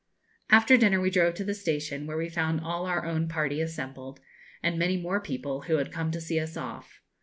After dinner we drove to the station, where we found all our own party assembled, and many more people, who had come to see us off.